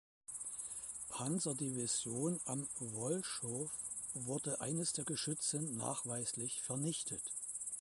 Panzerdivision am Wolchow wurde eines der Geschütze nachweislich vernichtet.